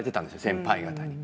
先輩方に。